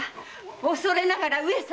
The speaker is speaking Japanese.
おそれながら上様！